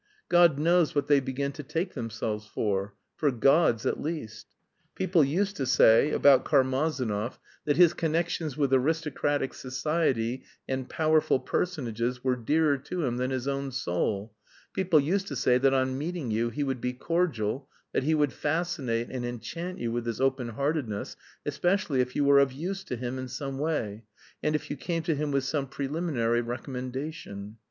God knows what they begin to take themselves for for gods at least! People used to say about Karmazinov that his connections with aristocratic society and powerful personages were dearer to him than his own soul, people used to say that on meeting you he would be cordial, that he would fascinate and enchant you with his open heartedness, especially if you were of use to him in some way, and if you came to him with some preliminary recommendation.